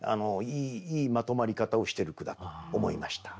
いいまとまり方をしてる句だと思いました。